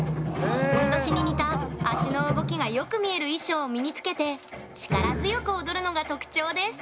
ふんどしに似た足の動きがよく見える衣装を身に着けて力強く踊るのが特徴です。